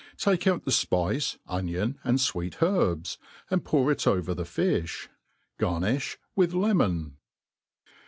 Take out the fpice, onion, and fweet herbs, and pour it over the fifh. Garniih with lemon.